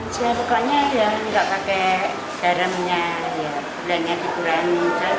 saya rukanya tidak pakai darah minyak minyaknya dikurangi